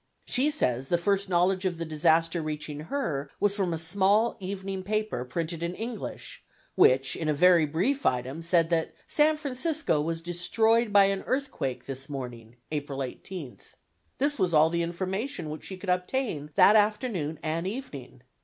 She says the first knowledge of the disaster reaching her was from a small evening newspaper printed in English, which in a very brief item said that "San Francisco was destroyed by an earthquake this morning [April 18th]." This was all the information which she could obtain that afternoon and evening.